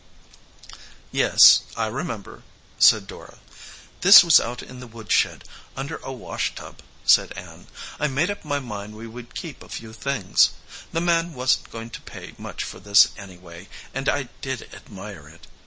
"Yes, I remember," said Dora. "This was out in the woodshed under a wash tub," said Ann. "I made up my mind we would keep a few things. The man wasn t going to pay much for this, anyway, and I did admire it.